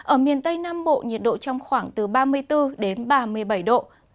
ở miền tây nam bộ nhiệt độ trong khoảng từ ba mươi bốn đến ba mươi bảy độ